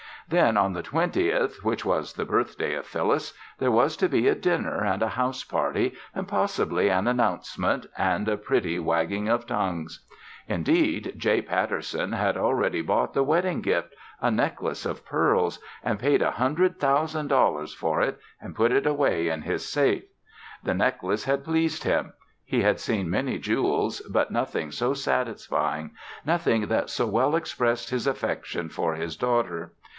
Then, on the twentieth, which was the birthday of Phyllis, there was to be a dinner and a house party and possibly an announcement and a pretty wagging of tongues. Indeed, J. Patterson had already bought the wedding gift, a necklace of pearls, and paid a hundred thousand dollars for it and put it away in his safe. The necklace had pleased him. He had seen many jewels, but nothing so satisfying nothing that so well expressed his affection for his daughter.